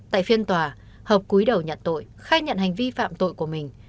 tại phiên tòa hợp quý đầu nhận tội khai nhận hành vi phạm tội của mình